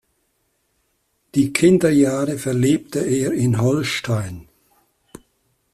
Die Kinderjahre verlebte er in Holstein.